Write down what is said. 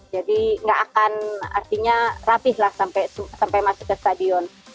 jadi nggak akan artinya rapih lah sampai masuk ke stadion